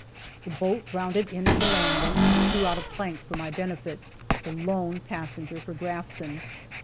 The boat rounded in at the landing, and threw out a plank for my benefit, the lone passenger for Grafton.